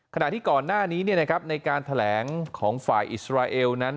ขณะที่ก่อนหน้านี้ในการแถลงของฝ่ายอิสราเอลนั้น